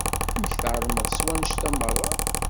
Amek tɛelmeḍ s wannect-a merra?